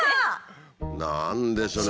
何でしょうね？